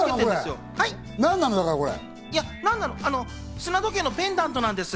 砂時計のペンダントなんですよ。